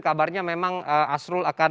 kabarnya memang asrul akan